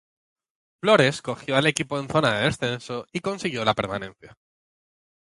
Flores cogió al equipo en zona de descenso y consiguió la permanencia.